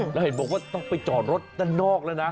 แล้วเห็นบอกว่าต้องไปจอดรถด้านนอกแล้วนะ